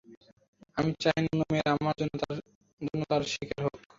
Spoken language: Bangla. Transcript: আমি চাই না অন্য মেয়েরা আমার জন্য তার শিকার হোক।